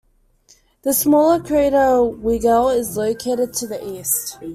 The smaller crater Weigel is located to the east.